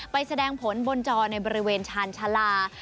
แสดงผลบนจอในบริเวณชาญชาลา